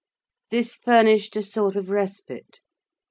This furnished a sort of respite.